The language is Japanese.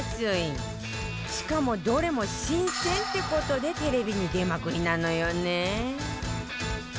しかもどれも新鮮って事でテレビに出まくりなのよね